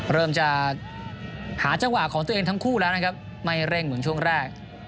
เริ่มจะหาจังหวะของตัวเองทั้งคู่แล้วนะครับไม่เร่งเหมือนช่วงแรก